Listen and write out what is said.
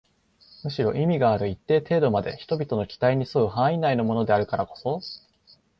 むしろ意味がある一定程度まで人々の期待に添う範囲内のものであるからこそ